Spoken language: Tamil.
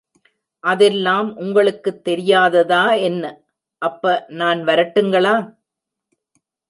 அதெல்லாம் உங்களுக்குத் தெரியாததா என்ன... அப்ப... நான் வரட்டுங்களா?